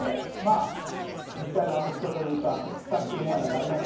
日大のアメフトというと、悪質タックル問題がありました。